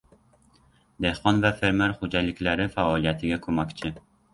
Dehqon va fermer xo‘jaliklari faoliyatiga ko‘makchi